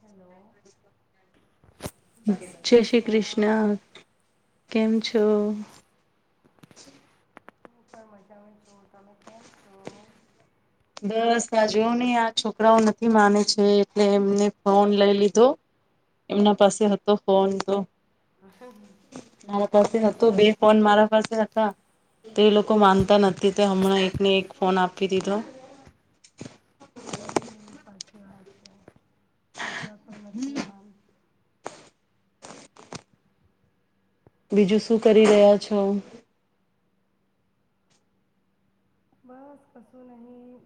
Hello જય શ્રી કૃષ્ણ કેમ છો હું પણ મજા હો છું તમે કેમ છો બસ આજ નહી આ છોકરાઓ નથી માને છે એટલે એમને ફોન લઈ લીધો એમના પાસે હતો ફોન તો મારા પાસે હતો બે ફોન મારા પાસે હા, તો એ લોકો માનતા નથી, તે હમણાં એકને એક ફોન આપી દીધો હમ, સાચી વાત છે. છોકરા, તો નથી માન બીજું, શું કરી રહ્યા છો. બસ કસું, નહી.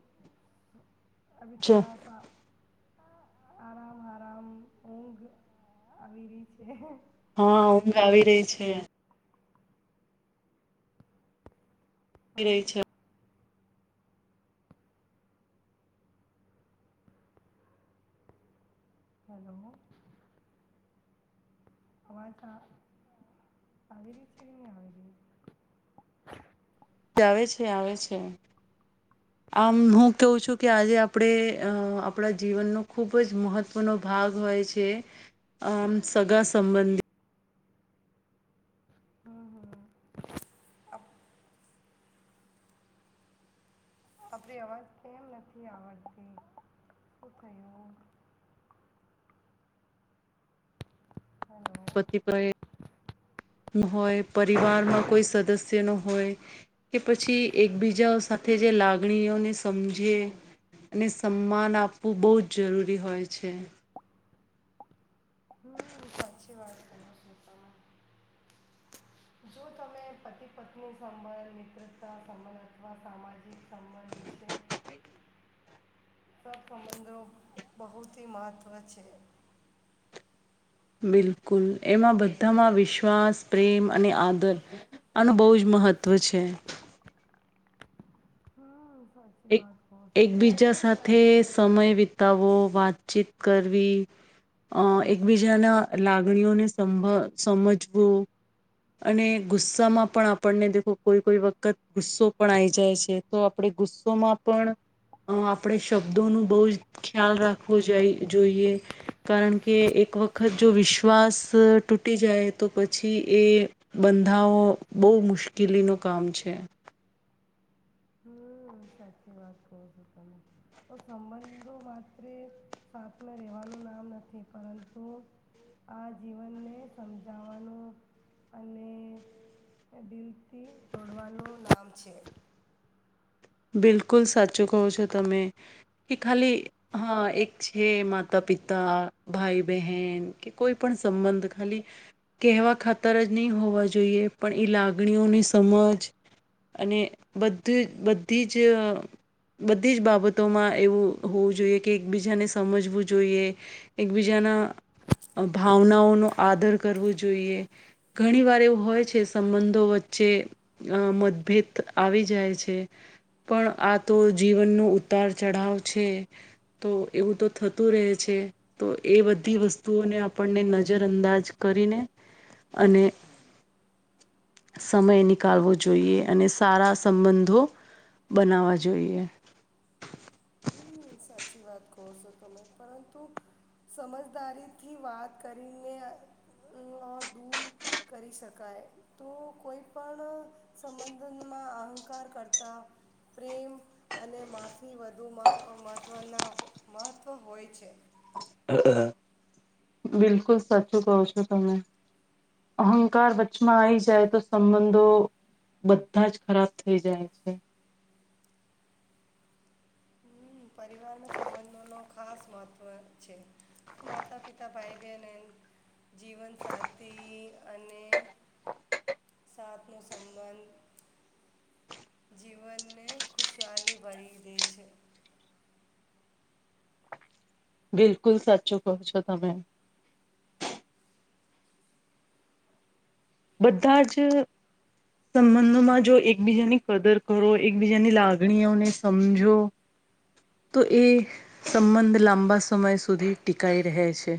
અભી છો? થોડા સા આરામ, આરામ ઊંઘ આવી રહી છે. હા, ઊંઘ આવી રહી છે. હા રહી છે. હલો. નવા ટાસ્ક આવી રહી છે કે, નહીં આવે. આવે છે, આવે છે આમ હું, કવું છું કે આજે આપણે અ આપણા જીવનનો ખુબજ મહત્વનો ભાગ હોય છે, આમ સગા સંબંધી હા, હા. આપડી અવાજ કેમ નથી, આવડતી શું થયું. હેલો પતિ હોય, પરિવારમાં કોઈ સદસ્ય ન હોય, કે પછી એકબીજા સાથે જે લાગણીઓને સમજી અને સન્માન આપવું બહુજ જરૂરી હોય છે. હમ સાચી જો, તમે પતિ પત્ની સંબંધ મિત્રતા સંબંધ અથવા સામાજિક સંબંધ વિશે સંબંધો, બહુથી મહત્વ છે. બિલકુલ, એમાં બધામાં વિશ્વાસ પ્રેમ અને આદર આનું બહુજ મહત્ત્વ છે. હા. એક, એકબીજા સાથે. સમય વિતાવવો વાતચીત કરવી અ એકબીજાના લાગણીઓને સમભ સમજવો અને ગુસ્સામા પણ આપણને દેખો કોઈ કોઈ વખત ગુસ્સો પણ આવીઈ જાય છે, તો આપણે ગુસ્સો. મા પણ આપણે શબ્દોનું બહુજ ખ્યાલ રાખવો જોઈ જોઈએ કારણ, કે એક વખત જો વિશ્વાસ તૂટી જાય, તો પછી એ બંધા બહુ મુશ્કેલીનુ કામ છે. હમ, સાચી વાત કું, છો તમે તો સંબંધો માત્ર સાથે રહેેવાનું નામ નથી પરંતુ આ જીવનને સમજાવાનું અને દિલથી જોડવાનું નામ છે. બિલકુલ સાચું કહો છો, તમે કે ખાલી હા એક છે, માતા પિતા ભાઈ બહેન કે કોઈ પણ સંબંધ ખાલી કહેવા ખાતર જ ન, હી હોવા જોઈએ પણ લાગણીઓની સમજ અને બધું બાદ. બધી જ બધી જ બાબતોમાં એવું હોવું, જોઈએ કે એકબીજાને સમજવું જોઈએ એકબીજાના ભાવનાઓનો આદર કરવો જોઈએ ઘણી વાર એવું હોય છે, સંબંધો વચ્ચે મતભેદ આવી જાય છે. પણ આ તો જીવનનો ઉતાર ચઢાવ છે, તો એવું તો થતું રહે છે, તો એ બધી વસ્તુઓને આપણને નજર અંદાજ કરીને અને સમય નિકાળવો જોઈએ, અને સારા સંબંધો બનાવવા જોઈએ. સાછી વાત કહો છો, તમે પરંતુ સમજદારીથી વાત કરીને દૂર કરી શકાય, તો કોઈ પણ સંબંધમાં અહંકાર કરતા પ્રેમ અને માફી વધુમાં. મહત્ત્વના મહત્ત્વ, હોય છે. બિલકુલ સાચું કવ છો, તમે અહંકાર વચચમાં આવીઈ જાય, તો સંબંધો બધાજ ખરાબ થઈ જાય છે. હ, પરિવારના સંબંધોનો ખાસ મહત્ત્વ છે. માતા, પિતા ભાઈ. જીવનસાથી, અને સાથ નું સંબંધ જીવનને ખુશહાલી, ભરી દે છે. બિલકુલ સાચું, કો છો તમે બધા જ સંબંધોમાં જો એકબીજાની કદર કરો એકબીજાની લાગણીઓને સમજો, તો એ સંબંધ લાંબા સમય સુધી ટીકાઈ રહે છે,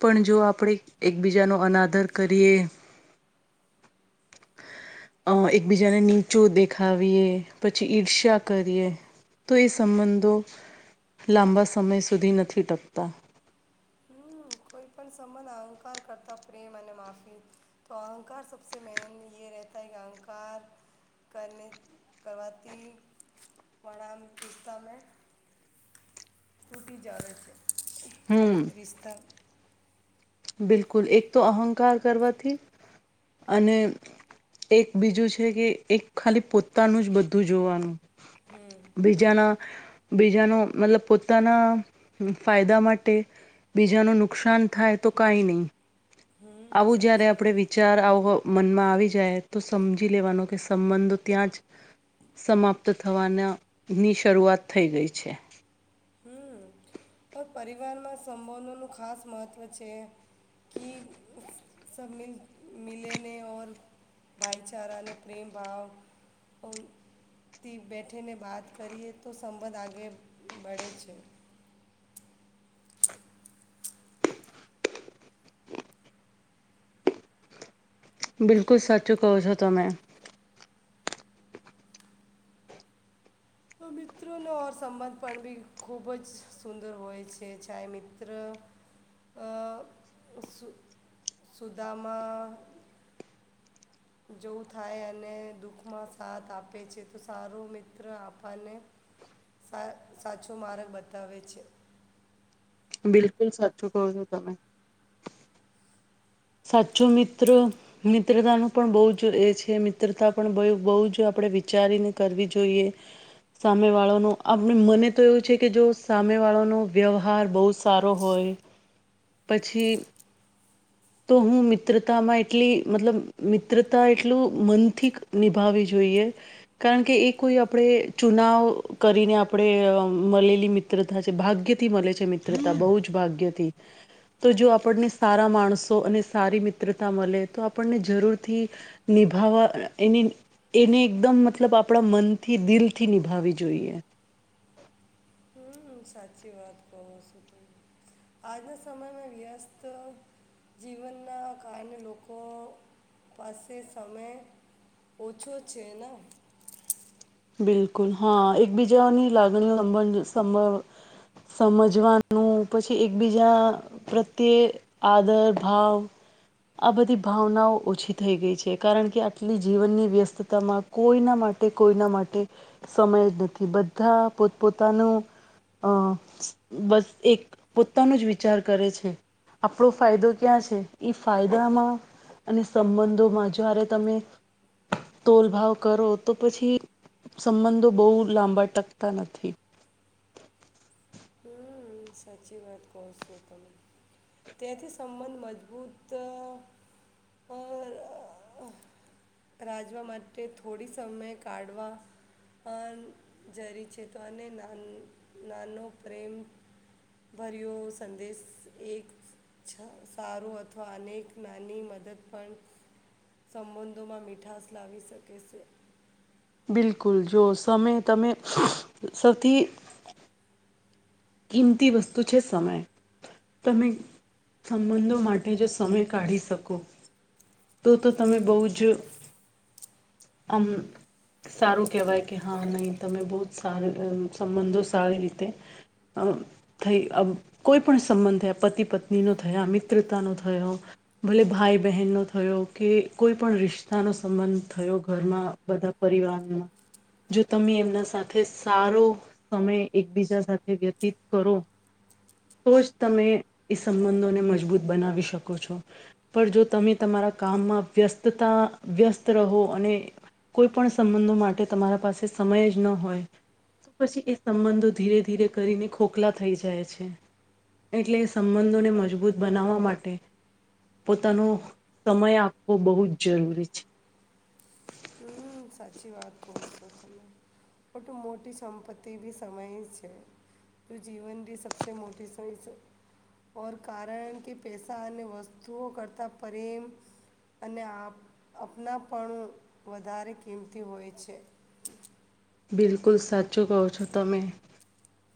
પણ જો આપણે એકબીજાનો અનાદર કરીએ. અ એકબીજાને નીચો દેખાવીએ, પછી ઈર્ષ્યા કરીએ તો એ સંબંધો લાંબા સમય સુધી નથી, ટકતા કોઈ પણ સંબંધ અહંકાર કરતા પ્રેમ અને માફી, તો અહંકાર સબ મેન એ રહેતા કે અહંકાર કરતી વણસ્ કૂટીી જદ છે. હમ રિશતા. બિલકુલ, એક તો અહંકાર કરવાથી અને એક બીજું છે, કે એક ખાલી પોતાનું જ બધું જોવાનું. બીજના. બીજાનો મતલબ પોતાના ફાયદા માટે બીજાનું નુકસાન થાય તો કઈ નહીં હમ આવું જયારે સાચી વાત આપડ વિચાર આવ મનમાં આવી જાય તો સમજી લેવાનો કે સંબંધો ત્યાં જ સમાપ્ત થવાના ની શરૂઆત થઈ ગઈ છે હમ પરિવારમાં સંબંધોનું ખાસ મહત્વ છે કે સિ મિલેને ઓર ભાઈચારાને પ્રેમ ભાવ થી બેઠેને વાત કરીએ તો સંબંધ આગે બડે છે બિલકુલ સાચું કહો છો તમે મિત્રોનો ઓર સંબંધ પણ બી ખૂબ જ સુંદર હોય છે ચાહે મિત્ર સુ સુદામાં જોવું થાય અને દુઃખમાં સાથ આપે છે તો સારું મિત્ર આપણને સાચો માર્ગ બતાવે છે બિલકુલ સાચું કહો છો તમે સાચો મિત્ર મિત્રતાનું પણ બહુ જ એ છે મિત્રતા પણ બહુ જ આપણે વિચારીને કરવી જોઈએ સામે વાળાનો આપ મને તો એવું છે કે જો સામે વાળાનો વ્યવહાર બહુ સારો હોય પછી તો હું મિત્રતામાં એટલી મતલબ મિત્રતા એટલું મનથી નિભાવવી જોઈએ કારણ કે એ કોઈ આપણે ચુનાવ કરીને આપણે મળેલી મિત્રતા છે ભાગ્યથી મળે છે મિત્રતા બહુ જ ભાગ્યથી તો જો આપણને સારા માણસો અને સારી મિત્રતા મળે તો આપણને જરૂરથી નિભાવવા એ એને એકદમ મતલબ આપણા મનથી દિલથી નિભાવી જોઈએ હમ સાચી વાત કો છું ત આજના સમયમાં વ્યસ્ત જીવનના કારણે લોકો પાસે સમય ઓછો છે ને બિલકુલ હા એકબીજાની લાગણીઓ સમજવાનું પછી એકબીજા પ્રત્યે આદર ભાવ આ બધી ભાવનાઓ ઓછી થઈ ગઈ છે કારણ કે આટલી જીવનની વ્યસ્તતામાં કોઈના માટે કોઈના માટે સમય જ નથી બધા પો પોતાનો અ બસ એક પોતાનો જ વિચાર કરે છે આપણો ફાયદો ક્યાં છે એ ફાયદામાં અને સંબંધોમાં જારે તમે તોલભાવ કરો તો પછી સંબંધો બહુ લાંબા ટકતા નથી હમ સાચી વાત કહ છો તમે ત્યાથી સંબંધ મજબૂત અ રાજવા માટે થોડી સમય કાઢવા જરી છે તો અનેન નાનો પ્રેમભર્યો સંદેશ એક સારો અથવા અનેક નાની મદદ પણ સંબંધોમાં મીઠાસ લાવી શકે છે બિલકુલ જો સમય તમે સૌથી કિંમતી વસ્તુ છે સમય તમે સંબંધો માટે જો સમય કાઢી શકો તો તો તમે બહુ જ આમ સારું કેહેવાય કે હા નહીં તમે બહુ જ સાર સંબંધો સારી રીતે થઈ કોઈ પણ સંબંધ થયા પતિ પત્ની નો થયા મિત્રતા નો થયો ભલે ભાઈ બહેનનોો થયો થયો કે કોઈ પણ રિશ્તાનો સંબંધ થયો ઘરમાં બધા પરિવારમાં જો તમે એમના સાથે સારો સમય એકબીજા સાથે વ્યતીત કરો તો જ તમે એ સંબંધોને મજબૂત બનાવી શકો છો પણ જો તમે તમારા કામમાં વ્યસ્તતા વ્યસ્ત રહો અને કોઈ પણ સંબંધો માટે તમારા પાસે સમય જ ન હોય તો પછી એ સંબંધો ધીરે ધીરે કરીને ખોખલા થઈ જાય છે એટલે એ સંબંધોને મજબૂત બનાવવા માટે પોતાનું સમય આપવો બહુ જ જરૂરી છે હમ સાચી વાત કહ છો તમેટું મોટી સંપત્તિ બી સમય છે જીવન બી સબસે મોટી સમય છે ઓર કારણ કે પેસા અને વસ્તુઓ કરતા પ્રેમ અને અનાપણ વધારે કિંમતી હોય છે બિલકુલ સાચું કહો છો તમે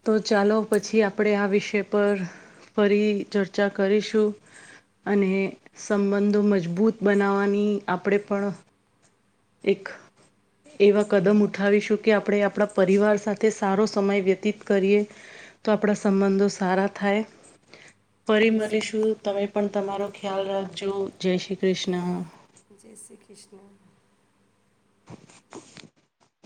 તો ચાલો પછી આપણે આ વિષય પર ફરી ચર્ચા કરીશું અને સંબંધો મજબૂત બનાવવાની આપણે પણ એક એવા કદમ ઉઠાવીશું કે આપણે આપણા પરિવાર સાથે સારો સમય વ્યતીત કરીએ તો આપણા સંબંધો સારા થાય ફરી જય શ્રી મળરીશું કૃષ્ણ તમે પણ તમારો ખ્યાલ રાખજુ જય શ્રી કૃષ્ણ જય શ્રી કૃષ્ણ [inaudible]